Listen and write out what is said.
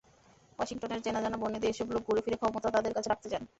ওয়াশিংটনের চেনাজানা বনেদি এসব লোক ঘুরেফিরে ক্ষমতা তাঁদের কাছে রাখতে চান।